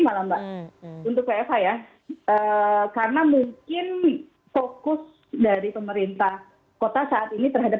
malah mbak untuk wfh ya karena mungkin fokus dari pemerintah kota saat ini terhadap